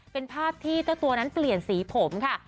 เป็นภาพที่เจ้าตัวนั้นเปลี่ยนสีผมค่ะ